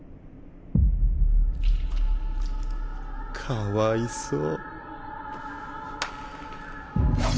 かわいそっ。